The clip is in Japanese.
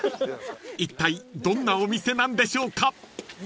［いったいどんなお店なんでしょうか］